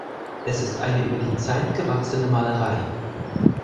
Es ist eine über die Zeit gewachsene Malerei.